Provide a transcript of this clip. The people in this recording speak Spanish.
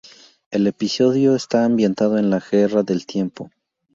El episodio está ambientado en la Guerra del Tiempo.